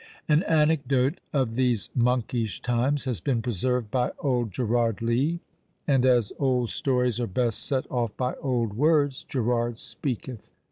An anecdote of these monkish times has been preserved by old Gerard Leigh; and as old stories are best set off by old words, Gerard speaketh!